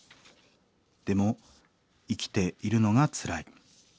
でも生きているのがつらい。